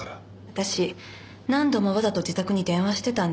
私何度もわざと自宅に電話してたんで。